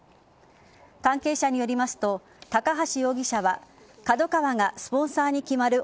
関係者によりますと高橋容疑者はＫＡＤＯＫＡＷＡがスポンサーに決まる